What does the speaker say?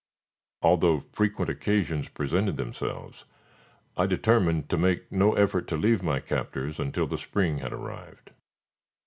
Although frequent occasions presented themselves, I determined to make no effort to leave my captors until the spring had arrived.